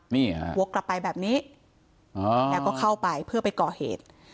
นี่ฮะวกกลับไปแบบนี้แล้วก็เข้าไปเพื่อไปก่อเหตุ